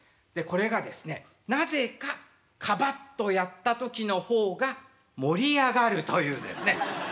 これがですねなぜか「カバ」っとやった時の方が盛り上がるというですね。